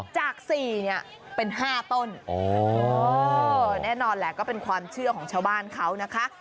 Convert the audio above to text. จาก๔เนี่ยเป็น๕ต้นแน่นอนแหละก็เป็นความเชื่อของชาวบ้านเขานะคะ